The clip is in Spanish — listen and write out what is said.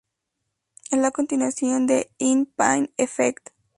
Es la continuación de "In Pine Effect".